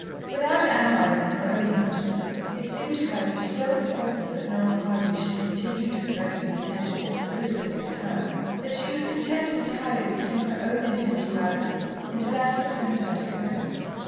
Without analysing her own motives, it seemed to her to be so important that Noel Cardew should continue to address his attention exclusively to her, that she was content entirely to sink her own individuality into that of a sympathetic listener.